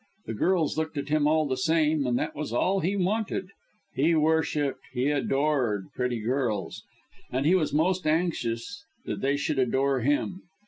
The girls looked at him all the same, and that was all he wanted. He worshipped, he adored, pretty girls; and he was most anxious that they should adore him.